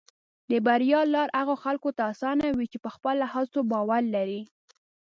د بریا لار هغه خلکو ته اسانه وي چې په خپله هڅه باور لري.